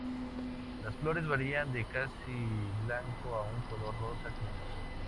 Las flores varían de casi blanco a un color rosa cremoso.